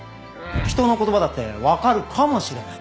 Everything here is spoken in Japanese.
人の言葉だって分かるかもしれない。